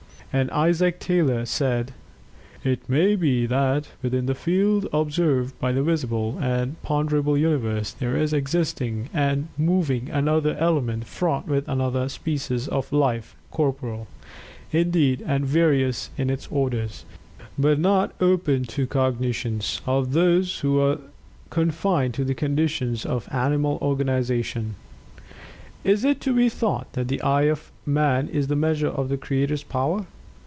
And Isaac Taylor said: "It may be that within the field observed by the visible and ponderable universe there is existing and moving another element fraught with another species of life corporeal, indeed, and various in its orders, but not open to cognizance of those who are confined to the conditions of animal organization. Is it to be thought that the eye of man is the measure of the Creator's power?